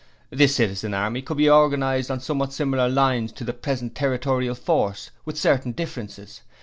This Citizen Army could be organized on somewhat similar lines to the present Territorial Force, with certain differences.